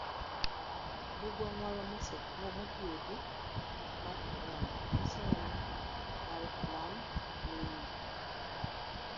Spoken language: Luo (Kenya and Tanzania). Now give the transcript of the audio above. Buk marwa mogwedhi mar koran nyisowa ni ; 'Alif Lam Mym'.